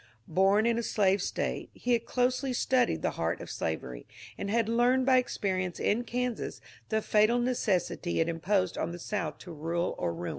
Bom in a slave State, he had closely studied the heart of slavery, and had learned by experiences in Kansas the fatal necessity it imposed on the South to rule or ruin.